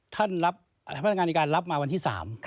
พนักงานอายการรับมาวันที่๓